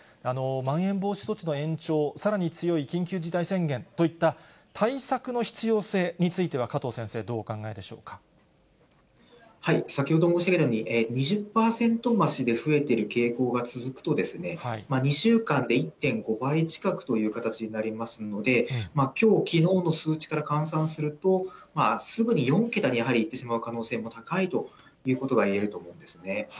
まん延防止措置の延長、さらに強い緊急事態宣言といった対策の必要性については、加藤先先ほど申し上げたように、２０％増しで増えている傾向が続くとですね、２週間で１．５倍近くという形になりますので、きょう、きのうの数値から換算すると、すぐに４桁にやはりいってしまう可能性も高いということが言えると思うんですね。